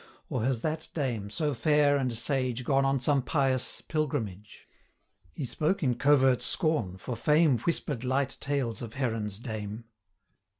Or has that dame, so fair and sage, Gone on some pious pilgrimage?' He spoke in covert scorn, for fame 270 Whisper'd light tales of Heron's dame.